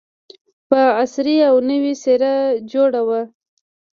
په عصري او نوې څېره جوړه وه.